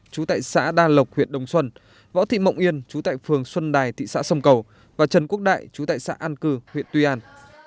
chú tại xã đa lộc huyện đồng xuân võ thị mộng yên chú tại phường xuân đài thị xã sông cầu và trần quốc đại chú tại xã an cư huyện tuy an